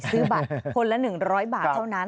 ซื้อบัตรคนละ๑๐๐บาทเท่านั้น